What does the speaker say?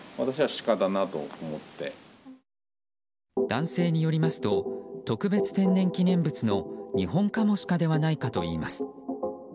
男性によりますと特別天然記念物のニホンカモシカではないかといいます。